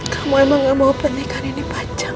kamu emang gak mau pernikahan ini panjang